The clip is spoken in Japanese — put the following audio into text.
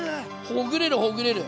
ほぐれるほぐれる！